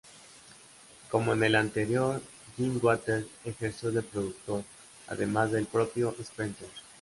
Como en el anterior, Jim Waters ejerció de productor, además del propio Spencer.